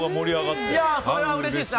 それはうれしいですね。